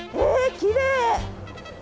きれい！